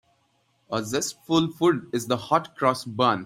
A zestful food is the hot-cross bun.